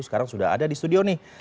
sekarang sudah ada di studio nih